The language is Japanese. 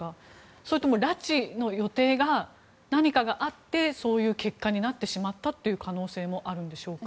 それとも拉致の予定が何かあってそういう結果になってしまったという可能性もあるんでしょうか。